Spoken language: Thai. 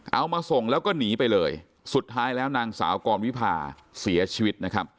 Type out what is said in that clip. เอามาส่งแล้วก็หนีไปเลยสุดท้ายแล้วนางสาวกรวิพาเสียชีวิตนะครับ